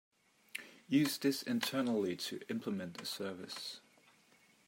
Use this internally to implement a service.